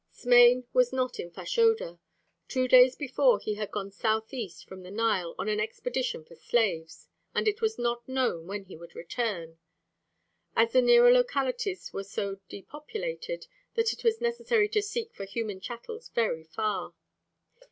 Smain was not in Fashoda. Two days before he had gone southeast from the Nile on an expedition for slaves, and it was not known when he would return, as the nearer localities were so depopulated that it was necessary to seek for human chattels very far.